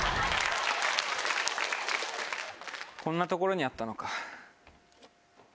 こんな所にあったのか。